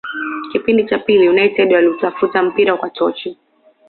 Kipindi cha pili United waliutafuta mpira kwa tochi